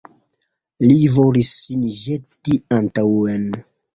Li volis sin ĵeti antaŭen.